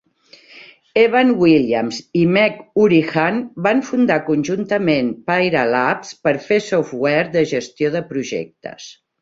Evan Williams i Meg Hourihan van fundar conjuntament Pyra Labs per fer software de gestió de projectes.